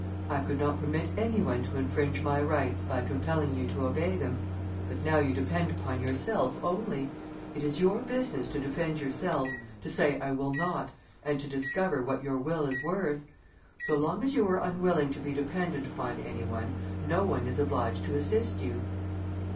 I could not permit any one to infringe my rights, by compelling you to obey them, but now you depend upon yourself only; it is your business to defend yourself, to say I will not, and to discover what your will is worth. So long as you are unwilling to be dependent upon any one, no one is obliged to assist you."